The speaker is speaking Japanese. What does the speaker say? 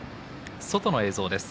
外の映像です。